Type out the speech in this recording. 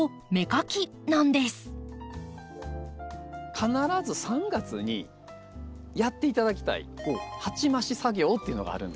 必ず３月にやって頂きたい鉢増し作業っていうのがあるんです。